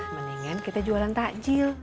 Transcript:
mendingan kita jualan takjil